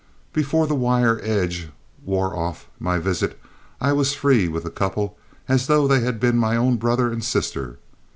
Before the wire edge wore off my visit I was as free with the couple as though they had been my own brother and sister.